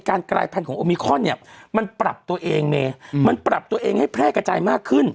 การกายพรรณของโอมิคอนมันปรับตัวเองมันปรับตัวเองให้แพร่กัจจัยมากขึ้น